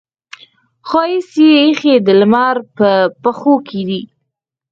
ښایست یې ایښې د لمر په پښو کې